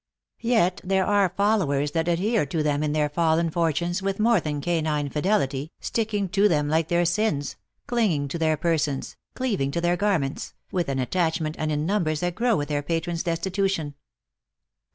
149 Yet there are followers that adhere to them in their fallen fortunes with more than canine fidelity, sticking to them like their sins, clinging to their persons, cleav ing to their garments, with an attachment and in numbers that grow with their patron s destitution."